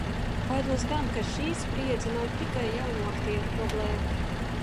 Baidos gan, ka šī spriedze nav tikai jauno aktieru problēma.